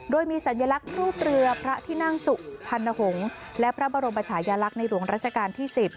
โดยมีสัญลักษณ์รูปเรือพระที่นั่งสุพรรณหงษ์และพระบรมชายลักษณ์ในหลวงราชการที่๑๐